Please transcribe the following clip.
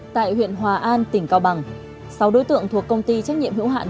tại huyện hòa an tỉnh cao bằng sáu đối tượng thuộc công ty trách nhiệm hữu hạn